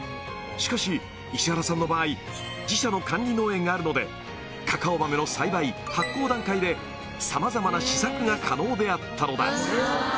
しかし石原さんの場合自社の管理農園があるのでカカオ豆の栽培・発酵段階でさまざまな試作が可能であったのだ